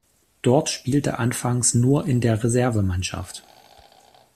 Dort spielte anfangs nur in der Reservemannschaft.